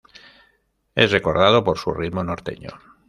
Es recordado por su ritmo norteño.